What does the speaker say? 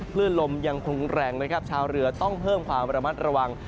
คลื่นลมยังคงแรงนะครับชาวเรือต้องเพิ่มความระมัดระวัง